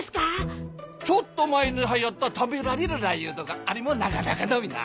ちょっと前に流行った食べられるラー油とかあれもなかなかだべな。